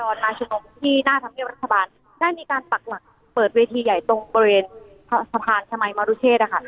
มาชุมนุมที่หน้าธรรมเนียบรัฐบาลได้มีการปักหลักเปิดเวทีใหญ่ตรงบริเวณสะพานชมัยมรุเชษนะคะ